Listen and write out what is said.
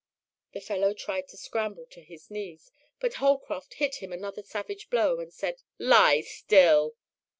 The fellow tried to scramble on his knees, but Holcroft hit him another savage blow, and said, "Lie still!"